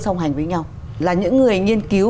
song hành với nhau là những người nghiên cứu